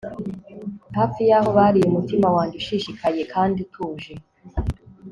hafi yabo bariye umutima wanjye ushishikaye kandi utuje